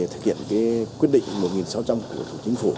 thực hiện quyết định một nghìn sáu trăm linh của chính phủ